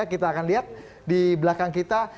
kita akan lihat di belakang kita